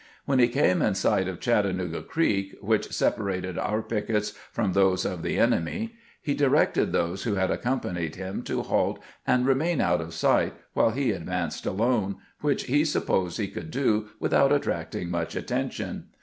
"When he came in sight of Chattanooga Creek, which separated our pickets from those of the enemy, he directed those who had accompanied him to halt and remain out of sight while he advanced alone, which he supposed he could do without attracting much attention.